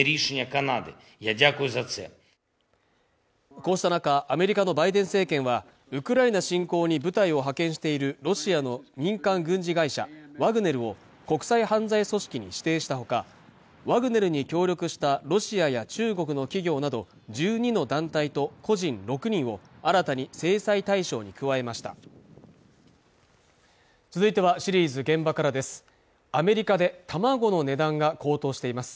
こうした中アメリカのバイデン政権はウクライナ侵攻に部隊を派遣しているロシアの民間軍事会社ワグネルを国際犯罪組織に指定したほかワグネルに協力したロシアや中国の企業など１２の団体と個人６人を新たに制裁対象に加えました続いてはシリーズ「現場から」ですアメリカで卵の値段が高騰しています